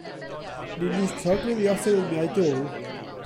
Ni'n lico gwylio ffilmiau dwl.